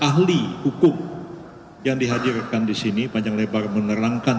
ahli hukum yang dihadirkan di sini panjang lebar menerangkan